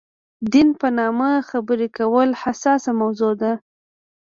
دین په نامه خبرې کول حساسه موضوع ده.